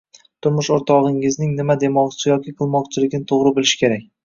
Turmush o‘rtog‘ingizning nima demoqchi yoki qilmoqchiligini to‘g‘ri bilish kerak.